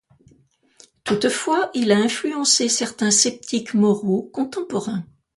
Toutefois, il a influencé certains sceptiques moraux contemporains.